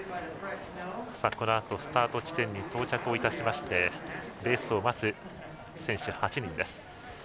このあとスタート地点に到着しましてレースを待つ選手８人です。